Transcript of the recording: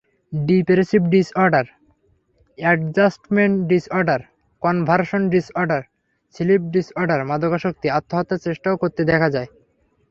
Depressive disorder adjustment disorder, conversion disorder, sleep disorder, মাদকাসক্তি—আত্মহত্যার চেষ্টাও করতে দেখা যায়।